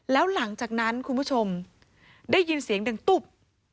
แล้วหลังจากนั้นคุณผู้ชมได้ยินเสียงดังตุ๊บ